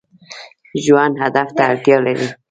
ژوند هدف ته اړتیا لري